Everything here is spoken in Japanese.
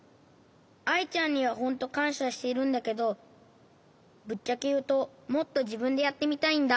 アイちゃんにはほんとかんしゃしてるんだけどぶっちゃけいうともっとじぶんでやってみたいんだ。